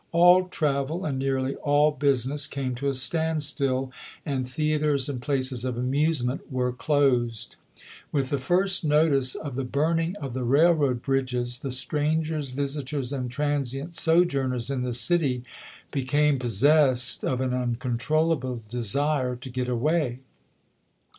All travel and nearly all business came to a stand still, and theaters and places of amusement were closed. With the first notice of the burning of the rail road bridges, the strangers, visitors, and transient WASHINGTON IN DANGER 1 41 sojoui'ners in the city became possessed of an un chap. vii. controllable desire to get away.